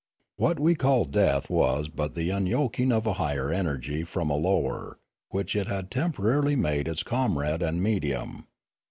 What we call death was but the unyoking of a higher energy from a lower, which it had temporarily made its comrade and medium.